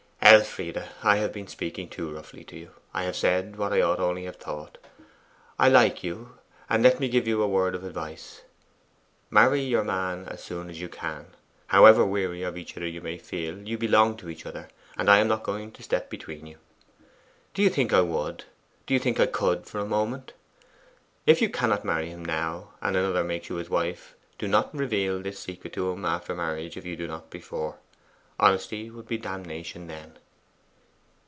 'Elfride, I have been speaking too roughly to you; I have said what I ought only to have thought. I like you; and let me give you a word of advice. Marry your man as soon as you can. However weary of each other you may feel, you belong to each other, and I am not going to step between you. Do you think I would do you think I could for a moment? If you cannot marry him now, and another makes you his wife, do not reveal this secret to him after marriage, if you do not before. Honesty would be damnation then.